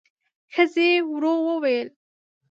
ښځې ورو وويل: